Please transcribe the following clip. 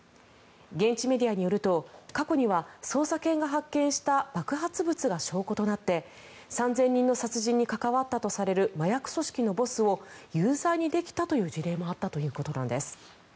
現地メディアによると過去には捜査犬が発見した爆発物が証拠となって３０００人の殺人に関わったとされる麻薬組織のボスを有罪にできたという事例もあったということなんです。